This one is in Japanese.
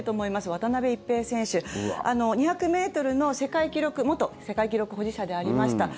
渡辺一平選手、２００ｍの元世界記録保持者でありました。